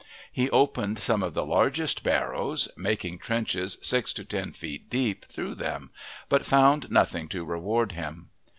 He opened some of the largest barrows, making trenches six to ten feet deep through them, but found nothing to reward him.